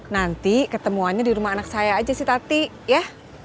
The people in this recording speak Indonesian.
nanti ketemuannya di rumah anak saya aja sih tati ya